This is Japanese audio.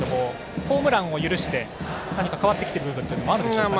ホームランを許して何か変わってきている部分はあるでしょうかね。